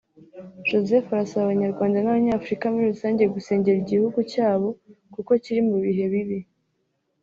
Joseph arasaba Abanyarwanda n’Abanyafurika muri rusange gusengera igihugu cyabo kuko kiri mu bihe bibi